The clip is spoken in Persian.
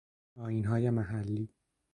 آئین های محلی